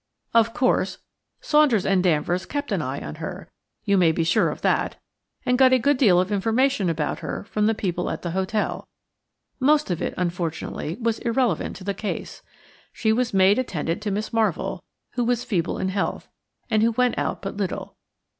Of course, Saunders and Danvers kept an eye on her–you may be sure of that–and got a good deal of information about her from the people at the hotel. Most of it, unfortunately, was irrelevant to the case. She was maid attendant to Miss Marvell, who was feeble in health, and who went out but little.